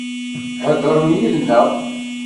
Heḍren yid-neɣ.